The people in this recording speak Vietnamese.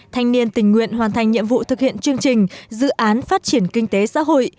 thanh niên tình nguyện hoàn thành nhiệm vụ thực hiện chương trình dự án phát triển kinh tế xã hội